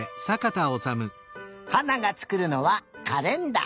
はながつくるのはカレンダー。